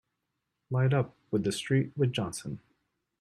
Light up with the street with Johnson!